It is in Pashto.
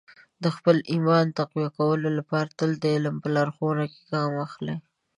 د خپل ایمان تقویه کولو لپاره تل د علم په لارښوونو کې ګام واخلئ.